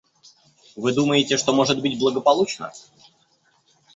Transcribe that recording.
Вы думаете, что может быть благополучно?